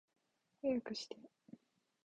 早くして